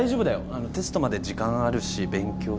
あのテストまで時間あるし勉強すれば。